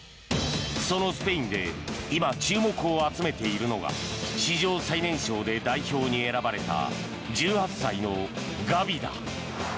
そのスペインで今注目を集めているのが史上最年少で代表に選ばれた１８歳のガビだ。